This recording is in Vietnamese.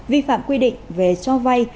vi phạm quy định về cho vây